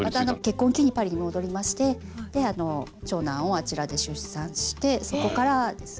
結婚を機にパリに戻りまして長男をあちらで出産してそこからですね。